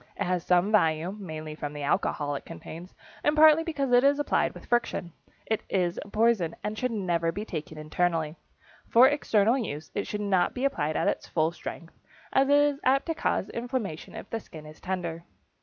It has some value, mainly from the alcohol it contains and partly because it is applied with friction. It is a poison, and never should be taken internally. For external use it should not be applied at full strength, as it is apt to cause inflammation if the skin is tender.